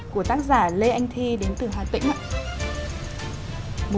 của tác giả lê anh thi đến từ hà tĩnh